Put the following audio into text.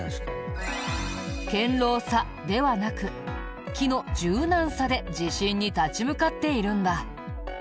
堅牢さではなく木の柔軟さで地震に立ち向かっているんだ。